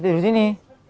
tidur di sini